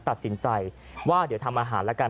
ตัดสินใจว่าเดี๋ยวทำอาหารแล้วกัน